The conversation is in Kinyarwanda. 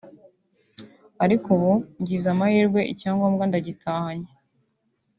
ariko ubu ngize amahirwe icyangombwa ndagitahanye